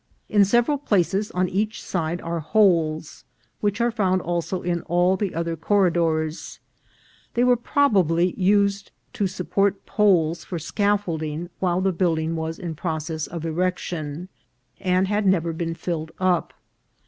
In several places on each side are holes, which are found also in all the other corridors; they were probably used to support poles for scaffolding while the building was in process of erection, and had never been filled up.